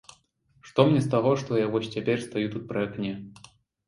Што мне з таго, што я вось цяпер стаю тут пры акне?